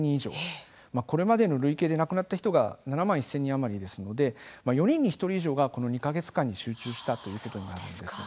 これまでの累計で亡くなった人が７万１０００人余りですので４人に１人以上がこの２か月間に集中したということになるんです。